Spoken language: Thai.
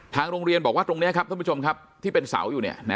โรงเรียนบอกว่าตรงนี้ครับท่านผู้ชมครับที่เป็นเสาอยู่